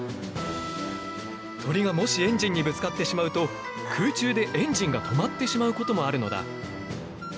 鳥がもしエンジンにぶつかってしまうと空中でエンジンが止まってしまうこともあるのだ。